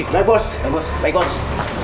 ya bos ya bos baiklah